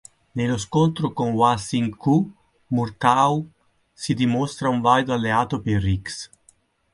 Nello scontro con Wah Sing Ku, Murtaugh si dimostra un valido alleato per Riggs.